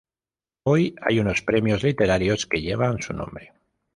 Hoy hay unos premios literarios que llevan su nombre.